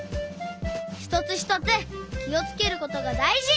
ひとつひとつきをつけることがだいじ！